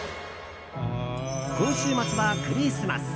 今週末はクリスマス。